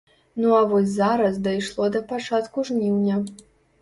Ну а вось зараз дайшло да пачатку жніўня.